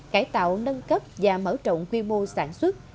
cải tạo nâng cấp và mở rộng quy mô sản xuất